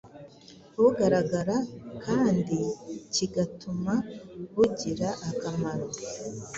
bugaragara kandi kigatuma bugira akamaro.